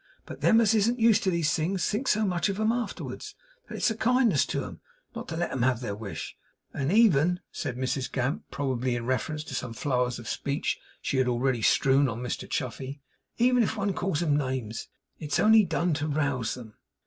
But them as isn't used to these things, thinks so much of 'em afterwards, that it's a kindness to 'em not to let 'em have their wish. And even,' said Mrs Gamp, probably in reference to some flowers of speech she had already strewn on Mr Chuffey, 'even if one calls 'em names, it's only done to rouse 'em.